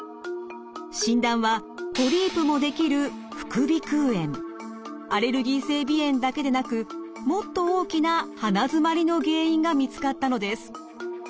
診断はポリープも出来るアレルギー性鼻炎だけでなくもっと大きな鼻づまりの原因が見つかったのです。